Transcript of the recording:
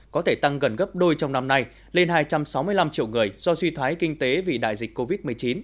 có thể tăng gần gấp đôi trong năm nay lên hai trăm sáu mươi năm triệu người do suy thoái kinh tế vì đại dịch covid một mươi chín